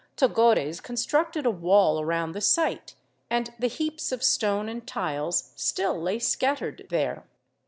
Togores constructed a wall around the site, and the heaps of stone and tiles still lay scattered there.